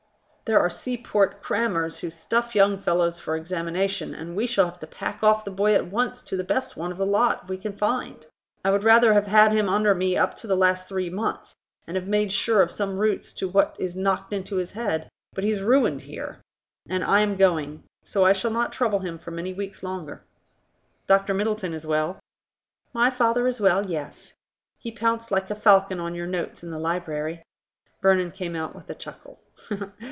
"There are sea port crammers who stuff young fellows for examination, and we shall have to pack off the boy at once to the best one of the lot we can find. I would rather have had him under me up to the last three months, and have made sure of some roots to what is knocked into his head. But he's ruined here. And I am going. So I shall not trouble him for many weeks longer. Dr. Middleton is well?" "My father is well, yes. He pounced like a falcon on your notes in the library." Vernon came out with a chuckle.